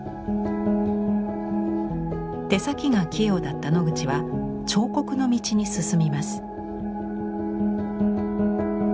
手先が器用だったノグチは彫刻の道に進みます。